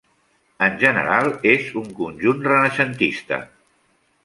En general és un conjunt renaixentista.